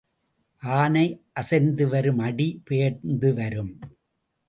ஆனை அசைந்து வரும் அடி பெயர்ந்து வரும்.